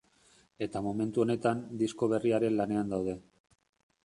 Eta momentu honetan, disko berriaren lanean daude.